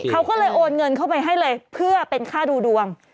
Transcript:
เขาก็เลยโอนเงินเข้าไปให้เลยเพื่อเป็นค่าดูดวง